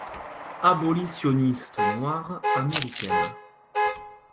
Abolitionniste noire américaine.